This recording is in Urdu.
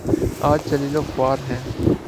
آج ذلیل وخوار ہیں۔